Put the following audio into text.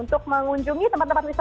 untuk mengunjungi tempat tempat wisata